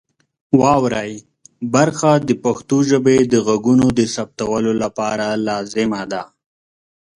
واورئ برخه د پښتو ژبې د غږونو د ثبتولو لپاره لازمه ده.